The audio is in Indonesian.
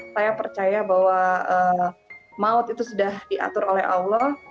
saya percaya bahwa maut itu sudah diatur oleh allah